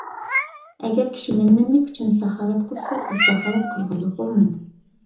ئەگەر كىشى مەنمەنلىك ئۈچۈن ساخاۋەت قىلسا، بۇ ساخاۋەت قىلغانلىق بولمايدۇ.